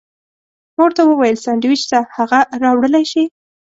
ما ورته وویل: سانډویچ شته، هغه راوړلی شې؟